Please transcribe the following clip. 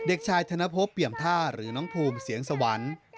เด็กชายธนพบเปี่ยมท่าหรือน้องภูมิเสียงสวรรค์